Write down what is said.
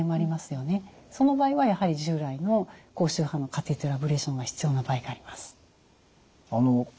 その場合はやはり従来の高周波のカテーテルアブレーションが必要な場合があります。